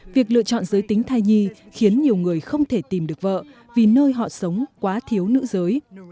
việc lựa chọn giới tính thai nhi khiến nhiều người không thể tìm được vợ vì nơi họ sống quá thiếu nữ giới